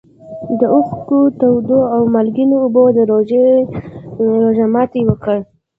د اوښکو تودو او مالګینو اوبو د روژې روژه ماتي وکړ.